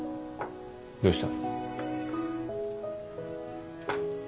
どうした？